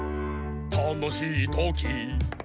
「たのしいとき」